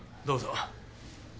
どうぞ。